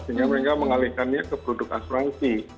sehingga mereka mengalihkannya ke produk asuransi